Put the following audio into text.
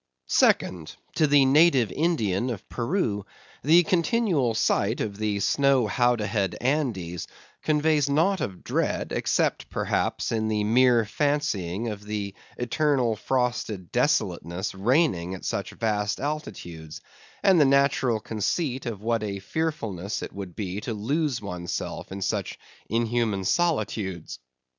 Second: To the native Indian of Peru, the continual sight of the snow howdahed Andes conveys naught of dread, except, perhaps, in the mere fancying of the eternal frosted desolateness reigning at such vast altitudes, and the natural conceit of what a fearfulness it would be to lose oneself in such inhuman solitudes.